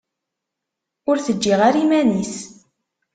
Ur t-ǧǧiɣ ara iman-is.